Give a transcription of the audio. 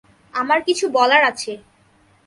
আমার কিছু বলার আছে।